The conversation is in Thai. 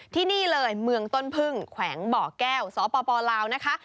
ที่นี่เลยเมืองต้นพึ่งแขวงบ่อแก้วสปลาวนะคะ